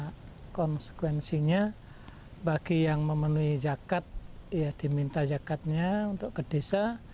semangat yang diminta konsekuensinya bagi yang memenuhi zakat ya diminta zakatnya untuk ke desa